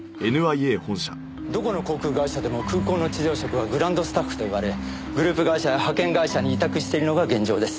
どこの航空会社でも空港の地上職はグランドスタッフと言われグループ会社や派遣会社に委託してるのが現状です。